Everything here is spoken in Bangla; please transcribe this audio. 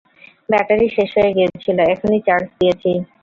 ব্যাটারি শেষ হয়ে গিয়েছিল, এখনি চার্জ দিয়েছি।